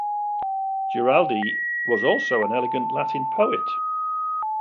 Giraldi was also an elegant Latin poet.